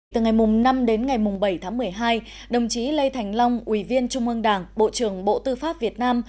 từ ngày năm đến ngày bảy tháng một mươi hai đồng chí lê thành long ủy viên trung ương đảng bộ trưởng bộ tư pháp việt nam